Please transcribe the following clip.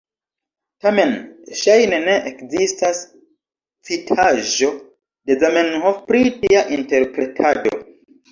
Tamen ŝajne ne ekzistas citaĵo de Zamenhof pri tia interpretado.